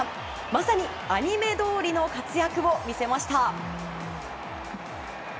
まさにアニメどおりの活躍を見せました。